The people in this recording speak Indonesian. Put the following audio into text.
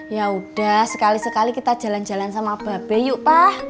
ya udah sekali sekali kita jalan jalan sama babe yuk pak